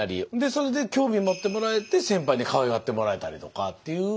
それで興味持ってもらえて先輩にかわいがってもらえたりとかっていう。